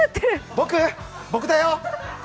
僕だよ！